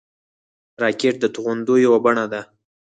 راکټ د توغندیو یوه بڼه ده